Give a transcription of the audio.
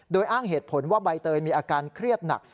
โดยอ้างเหตุผลว่าใบเตยมีอาการเครียดหนัก